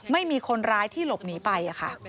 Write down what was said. ไม่มีคนร้ายที่หลบหนีไปค่ะ